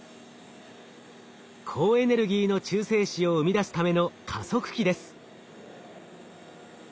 高エネルギーの中性子を生み出すための加速器です。